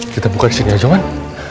kita buka disini ya cuman